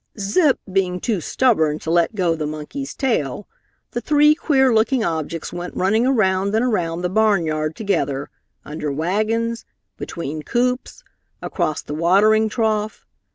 Zip being too stubborn to let go the monkey's tail, the three queer looking objects went running around and around the barnyard together, under wagons, between coops, across the watering trough.